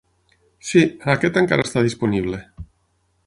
Sí, aquest encara està disponible.